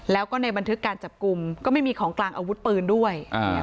แล้วก็ในบันทึกการจับกลุ่มก็ไม่มีของกลางอาวุธปืนด้วย